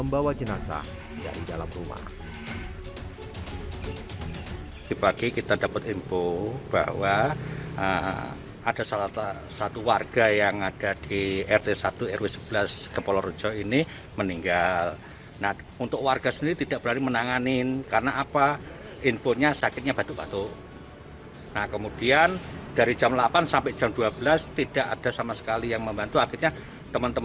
bahwa jenazah di dalam rumah